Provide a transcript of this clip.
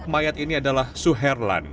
mayat ini adalah suherlan